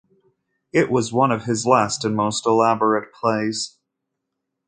It was one of his last and most elaborate plays.